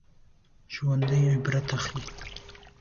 ژوندي عبرت اخلي